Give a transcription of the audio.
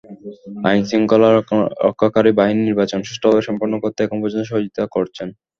আইনশৃঙ্খলা রক্ষাকারী বাহিনী নির্বাচন সুষ্ঠুভাবে সম্পন্ন করতে এখন পর্যন্ত সহযোগিতা করছেন।